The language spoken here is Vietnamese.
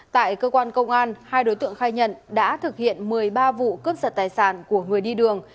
tại cơ quan công an hai đối tượng khai nhận đã thực hiện một mươi ba vụ cướp giật tài sản của người đi đường